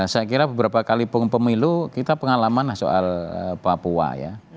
saya kira beberapa kali pemilu kita pengalaman soal papua ya